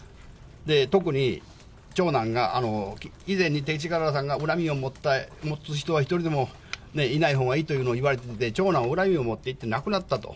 特に長男が以前に勅使河原さんが恨みを持つ人は一人でもいないほうがいいというのを言われてて、長男は恨みを持っていて亡くなったと。